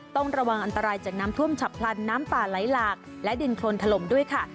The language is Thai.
ต้องระวังอันตรายจากน้ำท่วมฉับพลันน้ำป่าไหลหลากและดินโครนถล่มด้วยค่ะ